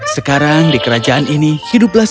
sekarang di kerajaan ini hidupmu tidak akan berubah